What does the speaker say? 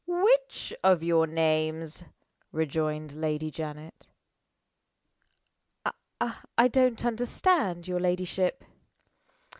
"Which of your names?" rejoined Lady Janet. "I don't understand your ladyship."